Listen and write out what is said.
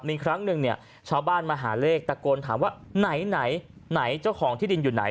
มีครั้งหนึ่งเนี่ยชาวบ้านมาหาเลขตะโกนถามว่าไหนไหนเจ้าของที่ดินอยู่ไหน